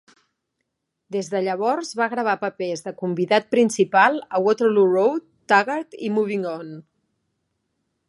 Des de llavors va gravar papers de convidat principal a "Waterloo Road", "Taggart" i "Moving On".